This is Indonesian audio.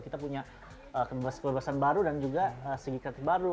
kita punya kelebaran baru dan juga segi kreatif baru